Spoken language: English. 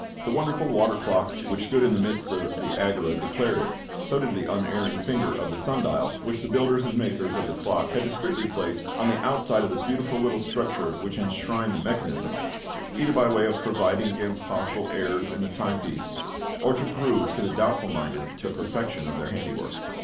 The wonderful water clock which stood in the midst of the Agora declared it, so did the unerring finger of the sun dial, which the builders and makers of the clock had discreetly placed on the outside of the beautiful little structure which enshrined the mechanism, either by way of providing against possible errors in the time piece, or to prove to the doubtful minded the perfection of their handiwork.